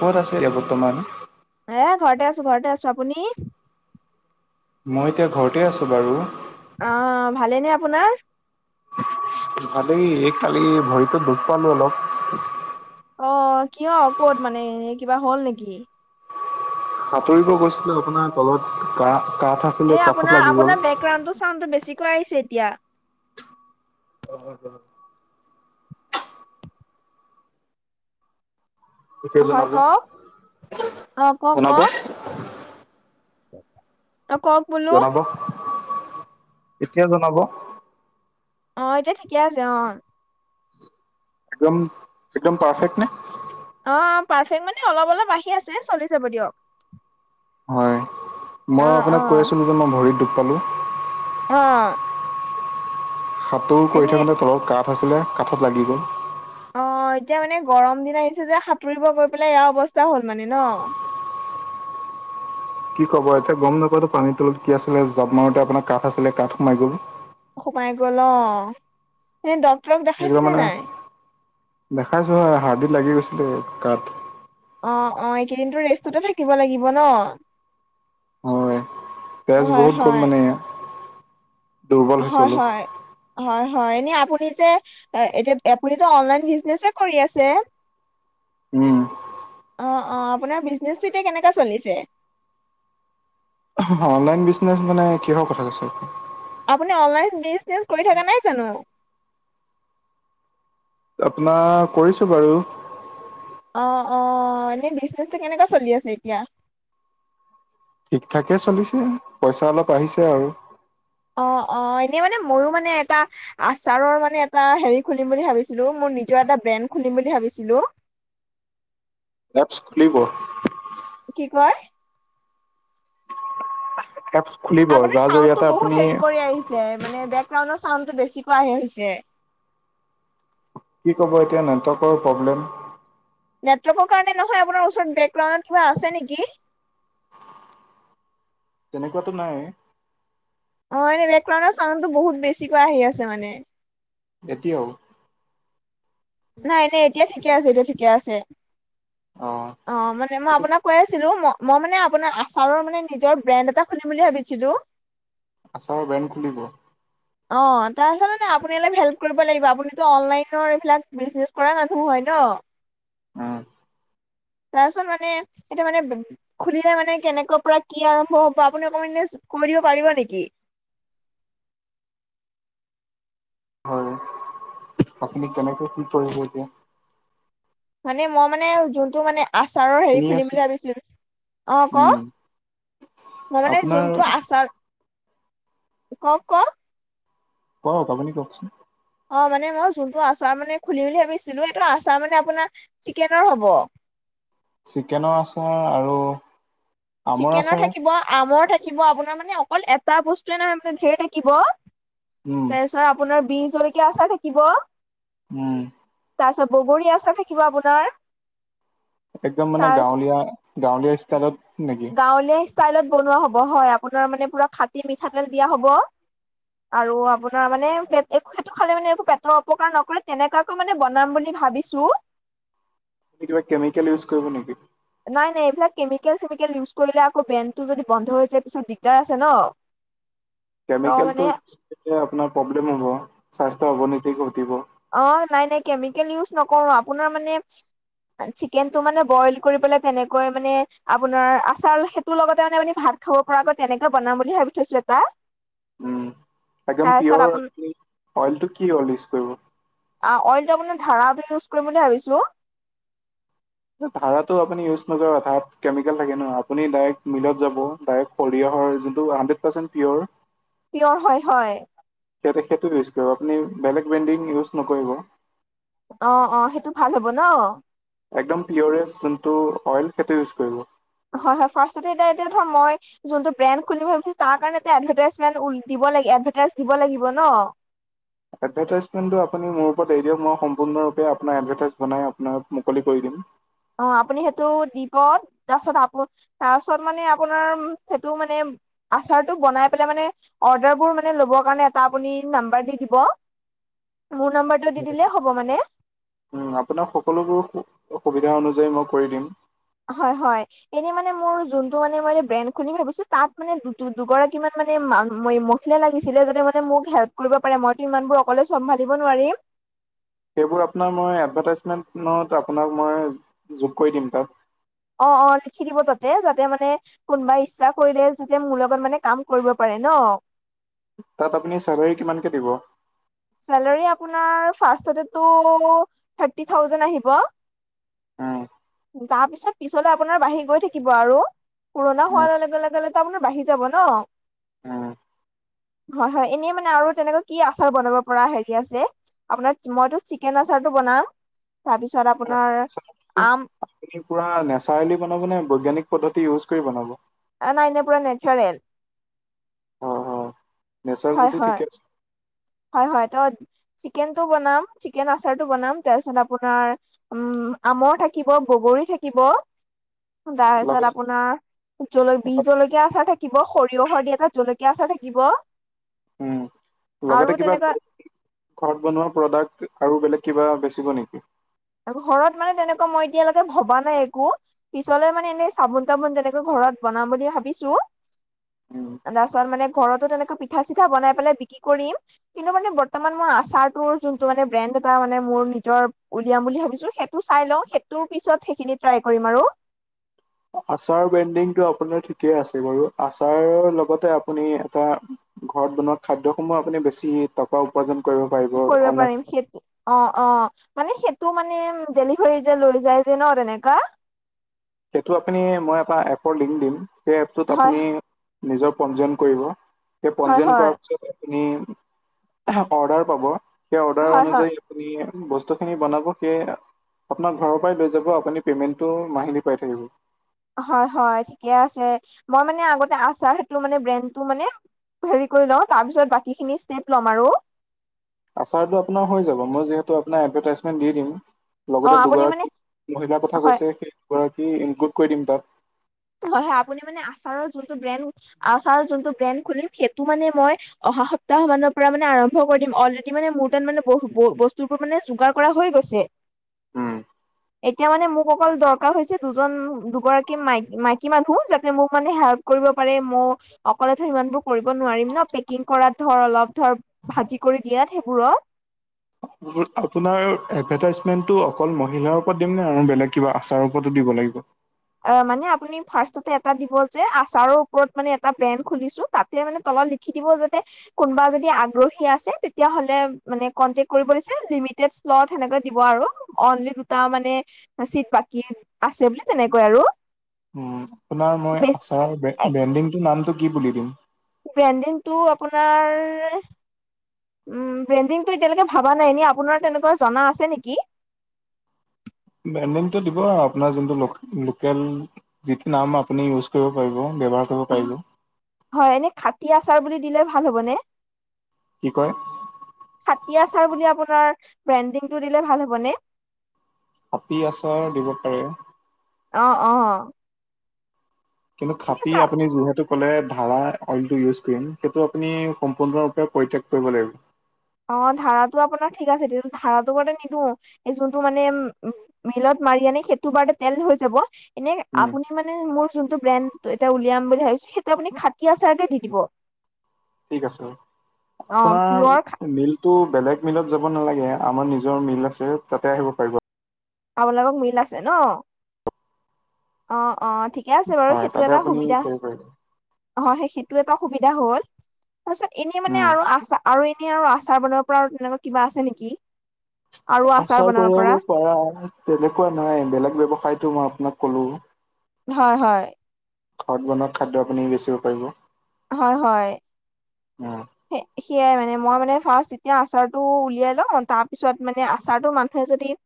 ক'ত আছে এতিয়া বৰ্তমান এ ঘৰতে আছো ঘৰতে আছো আপুনি মই এতিয়া ঘৰতে আছো বাৰু অ ভালে নে আপোনাৰ ভালেই এই কালি ভৰিতো দুখ পালো অলপ অ কিয় ক'ত মানে এ কিবা হ'ল নেকি সাঁতুৰিব গৈছিলো আপোনাৰ তলত কা কাঠ আছিল। এ আপোনাৰ আপোনাৰ ব্ৰেকৰাউণ্ডটোৰ ছাউণ্ডতো বেছিকৈ আহিছে এতিয়া অ অ এতিয়া হয় জনাব কওক অ কওক জনাব? কওক [unintelligible] অ কওক বোলো জনাব এতিয়া জনাব। অ এতিয়া ঠিকে আছে অ একদম একদম পাৰফেক্ট নে অ পাৰফেক্ট মানে অলপ অলপ আহি আছে চলি যাব দিয়ক। হয় অ মই অ আপোনাক কৈ আছিলো যে মই ভৰিত দুখ পালোঁ। অ সাঁতুৰ কৰি এনে থাকোঁতে তলত কাঠ আছিলে কাঠত লাগি গ'ল। অ এতিয়া মানে গৰম দিন আহিছে যে সাঁতুৰিব গৈ পেলাই এয়া অৱস্থা হ'ল মানে ন কি ক'ব এতিয়া গম নাপাওঁটো পানীৰ তলত কি আছিলে জাপ মাৰোতে আপোনাৰ কাঠ আছিলে কাঠ সোমাই গ'ল সোমাই গ'ল অঁ এনে ডক্তৰক দেখাইছে একদম নে মানে নাই? দেখাইছো হয়, হাৰডিত লাগি গৈছিলে কাঠ। অঁ অঁ এইকেইদিনটো ৰেষ্টতে থাকিব লাগিব ন। হয়, তেজ হয়, বহুত গ'ল হয়, মানে। দুৰ্বল হয় হৈছিলো হয়। হয় হয়, এনেই আপুনি যে এতিয়া আপুনিটো অনলাইন বিছনেছে কৰি আছে। [inaudible] উম'। অঁ অঁ আপোনাৰ বিজনেচটো এতিয়া কেনেকা চলিছে? অনলাইন বিজনেচ মানে কিহৰ কথা কৈছে? আপুনি অনলাইন বিজনেচ কৰি থকা নাই জানো? আপোনাৰ কৰিছো বাৰু। অঁ অঁ এনেই বিজনেচটো কেনেকুৱা চলি আছে এতিয়া? ঠিক ঠাকে চলিছে, পইচা অলপ আহিছে আৰু। অঁ অঁ এনেই মানে ময়ো মানে এটা- আচাৰৰ মানে এটা হেৰি খুলিম বুলি ভাবিছিলো মোৰ নিজৰ এটা ব্ৰেণ্ড খুলিম বুলি ভাবিছিলো। এপছ খুলিব। কি কয়? এপছ খুলিব, যাৰ জৰিয়তে আপুনি- এ মানে বেকগ্ৰাউণ্ডৰ চাউণ্ডটো বেছিকৈ আহি গৈছে। কি ক'ব এতিয়া নেটৱৰ্কৰ প্ৰব্লেম? নেটৱৰ্কৰ কাৰণে নহয়, আপোনাৰ ওচৰত বেকগ্ৰাউণ্ডত কিবা আছে নেকি? তেনেকুৱাতো নাই। অঁ এনেই বেকগ্ৰাউণ্ডৰ ছাউণ্ডটো বহুত বেছিকৈ আহি আছে মানে। এতিয়াও। নাই নাই এতিয়া ঠিকে আছে এতিয়া ঠিকে আছে। অ অঁ মানে মই এইটো আপোনাক কৈ আছিলো, ম- মই মানে আপোনাৰ আচাৰৰ মানে নিজৰ ব্ৰেণ্ড এটা খুলিম বুলি ভাবিছিলো। আচাৰৰ ব্ৰেণ্ড খুলিব? অ‍ঁ তাৰপিছত এনে আপুনি অলপ হেল্প কৰিব লাগিব, আপুনিতো অনলাইনৰ এইবিলাক- বিজনেচ কৰা মানুহ হয় ন। অঁ'। তাৰপিছত মানে, এতিয়া মানে- খুলিলে মানে কেনেকা পৰা কি আৰম্ভ হব আপুনি অকমান এনেই কৈ দিব পাৰিব নেকি? হয়, আপুনি কেনেকে কি কৰিব এতিয়া? মানে মই মানে যোনটো মানে আচাৰৰ হেৰি শুনি খুলিম আছো বুলি ভাবিছিলো, অঁ ক। উম মই মানে আপোনাৰ যোনটো আচাৰ, কক ক। কক, আপুনি কওকচোন। অঁ মানে মই যোনটো আচাৰ মানে খুলিম বুলি ভাবিছিলো, এইটো আচাৰ মানে আপোনাৰ চিকেনৰ হ'ব। চিকেনৰ আচাৰ আৰু- আমৰ চিকেনৰ আচাৰ থাকিব, আমৰ থাকিব আপোনাৰ মানে অকল এটা বস্তুৱে নহয় মানে ধেৰ থাকিব। উম তাপিছত আপোনাৰ বি জলকীয়া আচাৰ থাকিব। উম'। তাপাছত ববৰী আচাৰ থাকিব আপোনাৰ। একদম মানে তাৰ গাঁৱলীয়া গাঁৱলীয়া ষ্টাইলত নেকি? গাঁৱলীয়া ষ্টাইলত বনোৱা হ'ব হয়, আপোনাৰ মানে পুৰা খাটি মিঠাতেল দিয়া হ'ব। আৰু আপোনাৰ মানে সেইটো খালে মানে একবোৰ। পেটৰ অপকাৰ নকৰে তেনেুৱা টো মানে বনাম বুলি ভাবিছো। কিবা কেমিকেল ইউজ কৰিব নেকি? নাই নাই, এইবিলাক কেমিকেল- চেমিকেল ইউজ কৰিলে আকৌ বেণ্টো যদি বন্ধ হৈ যায় পিছত দিগদাৰ আছে ন। [unintelligible] ত কেমিকেলটো মানে আপোনাৰ প্ৰব্লেম হ'ব, স্বাস্থ্যৰ অৱনীতি ঘটিব। অ' নাই নাই কেমিকেল ইউজ নকৰো আপোনাৰ মানে। চিকেন টো মানে বইল কৰিবলে তেনেকৈ মানে, আপোনাৰ আচাৰ সেইটোৰ লগতে মানে আহ ভাত। খাব পৰাকৈ তেনেকে বনাম বুলি ভাবি থৈছো এটা। একম তাৰপিছত পিয়ৰ আপোন অইলটো কি ইউজ অ' অইলটো আপাৰ ধাৰা আ ইউজ কৰিম বুলি ভাবিছো। ধাৰো আপুনি ইউজ নকৰিব, ধাৰাত কেমিকেল থাকে ন আপুনি ডাইৰেক্ট মিলত যাব ডাইৰেক্ট। পৰিৰিয়হৰ যোনটো হানড্ৰেড পাৰ্চেণ্ট পিয়ৰ। পিয়ৰ, হয় হয়। সেইয়াতে- সেইটো ইউজ কৰিব আপুনি বেলেগ ব্ৰেণ্ডিং ইউজ নকৰিব। অ' অ' সেইটো ভাল হব ন। [unintelligible] হয় হয়, ফাৰ্ষ্টতে এতিয়া - এতিয়া ধৰ মই। যোনটো ব্ৰেণ্ড খুলিব ভাবিছো, তাৰ কাৰণে এ এডভাৰটাইজমেণ্টল দিব লাগ এডভাৰটাইজ দিব লাগিব ন। এডভাৰটাইজমেণ্টটো আপুনি মোৰ ওপৰত এৰিদিয়ক, মই সম্পূৰ্ণৰূপে আপোনাৰ এভাৰটাইজ বনাই আপোনাক মুকলি কৰি দিম। অ' আপুনি সেইটো দিব তাৰপিছত আপু তাৰপাছত মানে আপোনাৰ সেইটো মানে। [unintelligible] মোৰ নম্বৰটো দি দিলে হ'ব মানে। আপোনাক সকলোবোৰ সুবিধা অনুযায়ী মই কৰি দিম। হয় হয়। এনেই মানে মোৰ যোনটো মানে মই ব্ৰেণ্ড খুলিম ভাবিছো, তাত মানে দু দুগৰাকী মান মানে। লাগিছিলে যাতে মানে মোক হেল্প কৰিব পাৰে, মইতো ইমানবোৰ অকলে চম্ভালিব নোৱাৰিম। সেইবোৰ আপোনাৰ মই এডভাৰ্টাইজমেণ্টত আপোনাক মই যোগ কৰি দিম তাত। অ' অ' লিখি দিব তাতে যাতে মানে। কোনোবা ইচ্ছা কৰিলে যেতিয়া মোৰ লগত মানে কাম কৰিব পাৰে ন? তাত আপুনি চেলাৰী কিমানকে দিব? চেলেৰী আপোনাৰ ফাৰ্টে থাৰটি থাউজেন আহিব অ, তাৰ পিছত পিছলে আপোনাৰ বাঢ়ি গৈ থাকিব আৰু। পুৰণা হোৱাৰ লগে লগে লগে মানে বাঢ়ি যাব ন, হয়। হয় এনে মানে আৰু তেনেকা কি আচাৰ বনাব। পৰা হেৰি আছে আপোনাৰ মইতো চিকেন আচাৰটো বনাম। তাৰপিছত আপোনাৰ পু আম পুৰা নেচাৰেলি বনাব নে বৈজ্ঞানিক পদ্ধতি ইউজ কৰি বনাব। অ নাই নাই পুৰা নেচাৰেল। হয় হয় নেচাৰেল হয় যদি হয় ঠিকে আছে। হয় হয় ত চিকেনটো বনাম চিকেন আচাৰটো বনাম। তাৰপিছত আপোনাৰ উম আমৰ থাকিব, বগৰী থাকিব, তাৰপিছত লগতে আপোনাৰ জল বি জলকীয়া আচাৰ থাকিব, সৰিয়হৰ দি এটা জলকীয়া আচাৰ থাকিব। উম, আৰু লগতে কিবা তেনেকুৱা ঘৰত বনোৱা প্ৰডাক্ট আৰু বেলেগ কিবা বেচিব নেকি? এইবোৰ ঘৰত মানে তেনেকুৱা মই এতিয়ালৈকে ভবা নাই একোঁ। পিছলৈ মানে এনেই চাবোন-তাবোন যেনেকৈ ঘৰত বনাম বুলি ভাবিছোঁ। উম, তাৰছত মানে, ঘৰতো তেনেকে পিঠা-চিঠা বনাই পেলাই বিক্ৰী কৰিম। কিন্তু মানে বৰ্তমান মই আচাৰটোৰ যোনটো মানে ব্ৰেণ্ড এটা মানে মোৰ নিজৰ উলিয়াম বুলি ভাবিছোঁ সেইটো চাই লওঁ সেইটোৰ পিছত সেইখিনি ট্ৰাই কৰিম আৰু। আচাৰ বেণ্ডিংটো আপোনাৰ ঠিকেই আছে, বাৰু, আচাৰৰ লগতে আপুনি এটা ঘৰত বনোৱা খাদ্যসমূহ আপুনি বেছি টকা উপাৰ্জন কৰিব পাৰিব, কৰিব অনলাই পাৰিম সেইটো অ' অ' মানে সেইটো মানে ডেলিভাৰী যে লৈ যায় যে ন, তেনেকা? সেইটো আপুনি মই এটা এপৰ লিংক দিম সেই এপটোত হয় আপুনি নিজৰ পঞ্জীয়ন কৰিব সেই হয় পঞ্জীয়ন হয় কৰাৰ পিছত আপুনি অৰ্ডাৰ পাব, সেই অৰ্ডাৰ হয় হয় অনুযায়ী [unintelligible] বস্তু খিনি বনাব সেয়ে আপোনাক ঘৰৰ পৰাই লৈ যাব আপুনি পেমেন্টো মাহেলী পাই থাকিব। হয়, হয় ঠিকে আছে মই মানে আগতে আচাৰ সেইটো মানে ব্ৰেণ্ডটো মানে হেৰি কৰি লওঁ, তাৰ পিছত বাকী খিনি ষ্টেপ ল'ম আৰু। আচাৰটো আপোনাৰ হৈ যাব মই যিহেতু আপোন এডভেটাইজমেণ্ট দি দিম। অ লগতে আপুনি মানে দুগৰাকী মহিলাৰ কথা হয় কৈছে, সেই দুগৰাকী ইনক্লুড কৰি দিম তাত। হয়, হয় আপুনি মানে আচাৰৰ যোনটো ব্ৰেণ্ড আচাৰৰ যোনটো ব্ৰেণ্ড খুলিম সেইটো মানে মই অহা সপ্তাহ মানৰ পৰা মানে আৰম্ভ কৰি দিম অলৰেডি মানে মোৰ তাত মানে বহু ব-বস্তুবোৰ মানে যোগাৰ কৰা হৈ গৈছে। উম। এতিয়া মানে মোক অকল দৰকাৰ হৈছে দুজন দুগৰাকী মাই মাইকী মানুহ যাতে মোক মানে হেল্প কৰিব পাৰে মইওঁ অকলে ধৰ ইমান বোৰ কৰিব নোৱাৰিম ন, পেকিং কৰাত ধৰ, অলপ ধৰ ভাজি কৰি দিয়াত সেইবোৰত। আপোনাৰ এডভাৰটাইজমেন্টো অকল মহিলাৰ ওপৰত দিমনে আৰু বেলেগ কিবা আচাৰ ওপৰতো দিব লাগিব? অ'মানে আপুনি ফাৰ্ষ্টতে এটা দিব যে আচাৰৰ ওপৰত মানে এটা ব্ৰেণ্ড খুলিছোঁ। তাতে মানে তলত লিখি দিব যাতে কোনোবা যদি আগ্ৰহী আছে তেতিয়াহ'লে মানে কণ্টেক্ট কৰিব দিছে লিমিটেড শ্লত হেনেকেই দিব আৰু। অনলি দুটা মানে চিট বাকী আছে বুলি তেনেকৈ আৰু। তোমাৰ মই বেছ আছাৰৰ ব্ৰে-ব্ৰেণ্ডিংটো নাম কি বুলি দিম? ব্ৰেণ্ডিংটো আপোনাৰ উম, ব্ৰেণ্ডিংটো এতিয়ালৈকে ভাবা নাই। এনে আপোনাৰ তেনেকুৱা জনা আছে নেকি? ব্ৰেণ্ডিংটো দিব আৰু আপোনাৰ যোনটো লোক-লোকেল যিটো নাম আপুনি ইউজ কৰিব পাৰিব, ব্যৱহাৰ কৰিব পাৰিব। হয়, এনে খাটি আচাৰ বুলি দিলে ভাল হ'ব নে? কি কয়? খাটি আছাৰ বুলি আপোনাৰ ব্ৰেণ্ডিংটো দিলে ভাল হ'ব নে? [unintelligible] আচাৰ দিব পাৰে। অ'অ' কিন্তু খাটি আপুনি যিহেতু ক'লে ধাৰা অইলটো ইউছ কৰিম সেইটো আপুনি সম্পূৰ্ণৰূপে পৰিত্যাগ কৰিব লাগিব। অ'ধাৰাটো আপোনাৰ ঠিক আছে [unintelligible] ধাৰাটো মানে নিদু এই যোনটো মানে উম মিলত মাৰি আনি সেইটো বাৰুতে তেল হৈ যাব এনে উম আপুনি মানে মোৰ যোনটো ব্ৰেণ্ড এটা উলিয়াম বুলি ভাবিছো সেইটো আপুনি খাটি আচাৰকে দি দিব। ঠিক আছে হব অ পিয়ৰ আপোনাৰ বিল টো বেলেগ মিলত যাব নালাগে আমাৰ নিজৰ মিল আছে তাতে আহিব পাৰিব। আপোনালোকৰ মিল আছে ন। অ', অ ', ঠিকে আছে বাৰু হয় সেইটো তাতে এটা আপুনি সুবিধা কৰিব পাৰিব হয় সেই সেইটো এটা সুবিধা হ'ল তাৰপিছত এনেই মানে উম আৰু আছা আৰু এনেই আৰু আচাৰ বনাব পৰা আৰু তেনেকুৱা কিবা আছে নেকি? আৰু আচাৰ বনাব কৰিব পৰা পাৰা তেনেকুৱা নাই বেলেগ ব্যৱসায়তো মই আপোনাক কলো। হয় - হয়। ঘৰত বনোৱা খাদ্য আপুনি বেচিব পাৰিব। হয় হয়। অ', স সেয়াই মানে মই মানে ফাৰ্ষ্ট এতিয়া আচাৰতটো উলিয়াই লও তাৰপিছত মানে আচাৰটো মানুহে যদি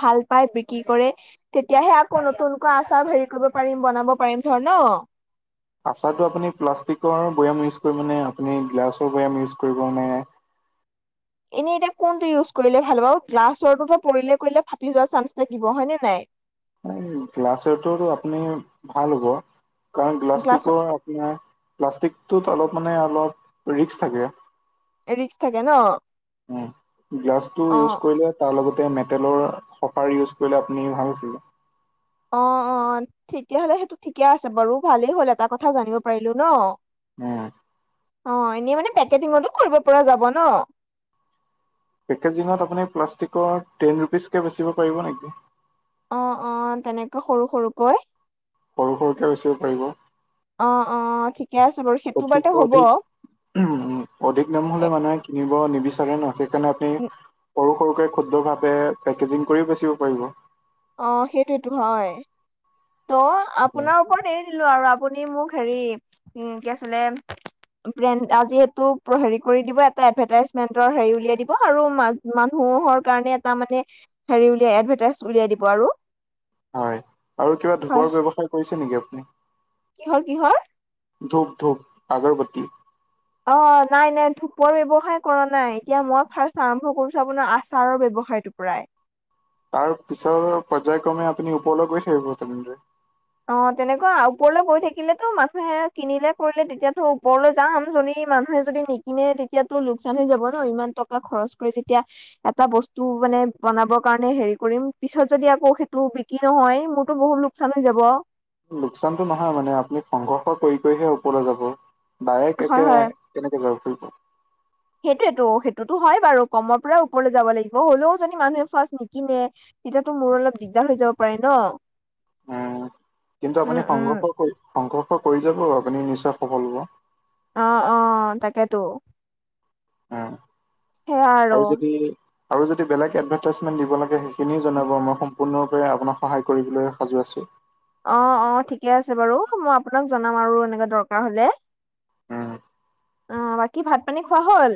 ভাল পাই বিক্ৰী কৰে। তেতিয়াহে আকৌ নতুনকৈ আচাৰ হেৰি কৰিব পাৰিম বনাব পাৰিম ধৰ ন। আচাৰটো আপুনি প্লাষ্টিকৰ বৈয়াম ইউজ কৰিবানে আপুনি গিলাছৰ বৈয়াম ইউজ কৰিব নে এনেই এতিয়া কোনটো ইউজ কৰিলে ভাল হ'ব গ্লাছৰটোতো পৰিলে কৰিলে ফাটি যোৱা চান্স থাকিব হয় নে নাই। এই গ্লাছৰটোতো আপুনি ভাল হ'ব কাৰণ গ্লাছত গ্লাছটিকৰ আপোনাৰ প্লাষ্টিকটোত অলপ মানে অলপ ৰিক্স থাকে। ৰিস্ক থাকে ন। উম, গ্লাছ টো অ ইউজ কৰিলে তাৰ লগতে মেটেলৰ কফাৰ ইউজ কৰিলে আপুনি ভাল আছিল অ', অ', তেতিয়াহলে সেইটো ঠিকে আছে বাৰু ভালেই হ'ল এটা কথা জানিব পাৰিলো ন। উম, অ, এনেই মানে পেকেটিঙতো কৰিব পৰা যাব ন। পেকেজিঙত আপুনি প্লাষ্টিকৰ টেন ৰুপিচকৈ বেচিব পাৰিব নেকি। অ', অ', তেনেকৈ সৰু - সৰুকৈ। সৰু সৰুকে বেচিব পাৰিব অ', অ', ঠিকে আছে বাৰু সেইটো অধিক বাৰতে হব। অধিক উম, অধিক দাম এ, হলে মানুহে কিনিব নিবিচাৰে ন সেইকাৰণে আপুনি উম, সৰু - সৰুকে ক্ষুদ্ৰভাৱে পেকেজিং কৰিও বেচিব পাৰিব। অ, সেইটোৱেতো হয়। ত, আপোনাৰ ওপৰত এৰি দিলো আৰু আপুনি মোক হেৰি উম, কি আছিলে ব্ৰেণ্ড আজি সেইটো হেৰি কৰি দিব এটা এডভাৰটাইজমেন্টৰ হেৰি উলিয়াই দিব আৰু মানুহৰ কাৰণে এটা মানে হেৰি উলিয়াই এডভাৰটাইজ উলিয়াই দিব আৰু। হয় আৰু কিবা হয়। ধোবৰ ব্যৱসায় কৰিছে নেকি আপুনি। কিহৰ - কিহৰ? ধূপ - ধূপ আগৰ্বত্তি। অ, নাই - নাই ধূপৰ ব্যৱসায় কৰা নাই এতিয়া মই ফাৰ্ষ্ট আৰম্ভ কৰিছো আপোনাৰ আচাৰৰ ব্যৱসায়ত। টোৰ পৰাই। তাৰ পিছৰ পৰ্যায়ক্ৰমে আপুনি ওপৰলৈ গৈছে [unintelligible] থাকিব তেনেৰে অ, তেনেকুৱা ওপৰলৈ গৈ থাকিলেতো মানুহে কিনিলে কৰিলে তেতিয়াতো ওপৰলৈ যাম যদি মানুহে যদি নিকিনে তেতিয়াতো লোকচান হৈ যাব ন ইমান টকা খৰচ কৰি যেতিয়া এটা বস্তু মানে বনাব কাৰণে হেৰি কৰিম পিছত যদি আকৌ সেইটো কি নহয় মোৰতো বহুত লোকচান হৈ যাব। লোকচানতটো নহয় মানে আপুনি সংঘৰ্ষ কৰি কৰিহে ওপৰলৈ যাব ডাইৰেক্ট হয় একে কেনেকে যাও কি কৰো, সেইটোৱেতো সেইটোতো হয় বাৰু কমৰ পৰা ওপৰলৈ যাব লাগিব হ'লেও যদি মানুহে ফাৰ্ষ্ট নিকনে। তেতিয়াতো মোৰ অলপ দিগদাৰ হৈ যাব পাৰে ন। উম কিন্তু উম আপুনি উম সংঘৰ্ষ কৰি সংঘৰ্ষ কৰি যাব আপুনি নিশ্চয় সফল হব। অ অ তাকেতো। অ আৰু যদি, আৰু যদি বেলেগ এডভাইতাজমেনট দিব লাগে সেইখিনিও জনাব মই সম্পূৰ্ণ ৰূপে আপোনাক সহায় কৰিবলৈ সাজু আছো। অ অ ঠিকে আছে বাৰু মই আপোনাক জনাম আৰু এনেকুৱা দৰকাৰ হলে। উম উ। অ বাকী ভাত পানী খোৱা হ'ল?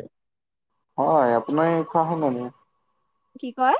হয় আপোনাৰ এই খোৱা হল নে নাই? কি কয়?